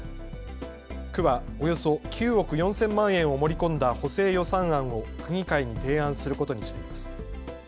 区はおよそ９億４０００万円を盛り込んだ補正予算案を区議会に提案することにしています。